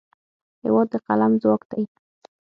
هېواد د قلم ځواک دی.